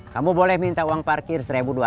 kamu boleh minta uang parkir seribu dua ribu